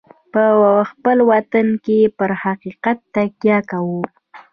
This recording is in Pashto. په خپل وطن کې پر حقیقت تکیه کوو.